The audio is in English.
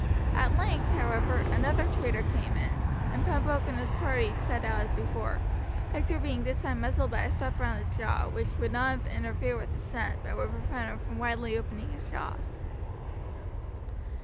At length, however, another traitor came in, and Pembroke and his party set out as before, Hector being this time muzzled by a strap round his jaw, which would not interfere with his scent, but would prevent him from widely opening his jaws.